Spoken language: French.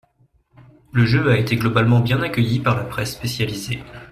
Le jeu a été globalement bien accueilli par la presse spécialisée.